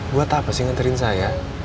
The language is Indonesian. buat apa sih nganterin saya